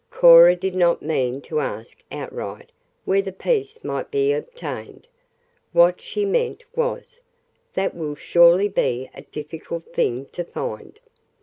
Cora did not mean to ask outright where the piece might be obtained; what she meant was: "That will surely be a difficult thing to find."